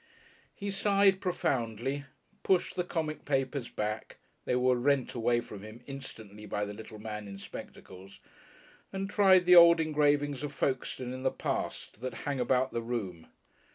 He sighed profoundly, pushed the comic papers back they were rent away from him instantly by the little man in spectacles and tried the old engravings of Folkestone in the past, that hang about the room.